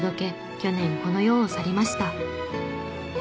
去年この世を去りました。